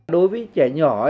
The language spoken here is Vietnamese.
đối với trẻ nhỏ